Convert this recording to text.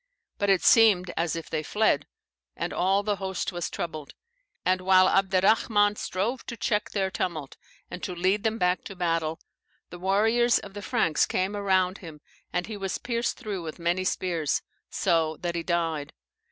But it seemed as if they fled; and all the host was troubled. And while Abderrahman strove to check their tumult, and to lead them back to battle, the warriors of the Franks came around him, and he was pierced through with many spears, so that he died.